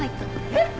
えっ！？